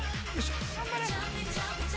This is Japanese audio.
頑張れ！